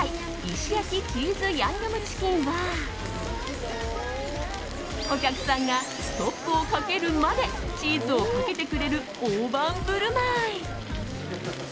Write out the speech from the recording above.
石焼チーズヤンニョムチキンはお客さんがストップをかけるまでチーズをかけてくれる大盤振る舞い。